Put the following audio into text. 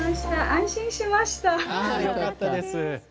あよかったです。